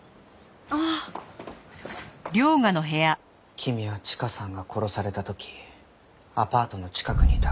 君はチカさんが殺された時アパートの近くにいた。